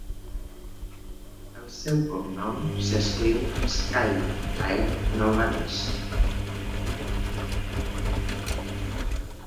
El seu cognom s'escriu "Shykyr" en albanès.